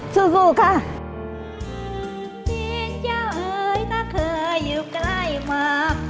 สู้ค่ะ